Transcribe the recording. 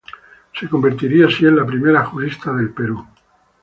Se convertiría así en la primera jurista del Perú.